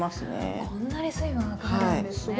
こんなに水分アクが出るんですね。